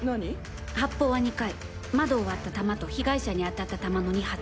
窓を割った弾と被害者に当たった弾の２発。